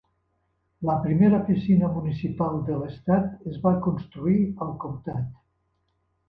la primera piscina municipal de l'estat es va construir al comtat.